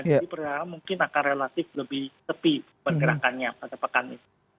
jadi pernyataan mungkin akan relatif lebih tepi bergerakannya pada pekan ini